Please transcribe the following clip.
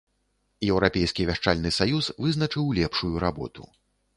Еўрапейскі вяшчальны саюз вызначыў лепшую работу.